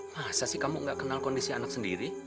masa sih kamu gak kenal kondisi anak sendiri